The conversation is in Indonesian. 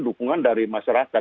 dukungan dari masyarakat